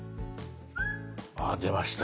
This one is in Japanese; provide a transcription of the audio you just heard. あ出ました。